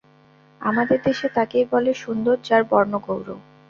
আমাদের দেশে তাকেই বলে সুন্দর যার বর্ণ গৌর।